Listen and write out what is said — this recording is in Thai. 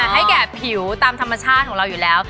ให้แก่ผิวตามธรรมชาติของเราอยู่แล้ว